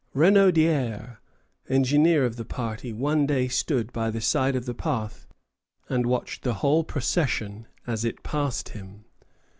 Renaudière, engineer of the party, one day stood by the side of the path and watched the whole procession as it passed him.